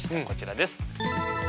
こちらです。